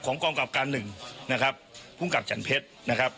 กองกับการหนึ่งนะครับภูมิกับจันเพชรนะครับ